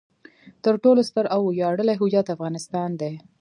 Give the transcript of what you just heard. تر ټولو ستر او ویاړلی هویت افغانستان دی.